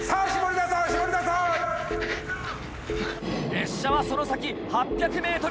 列車はその先８００ｍ。